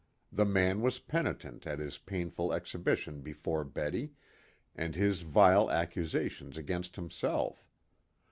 The man was penitent at his painful exhibition before Betty, and his vile accusations against himself.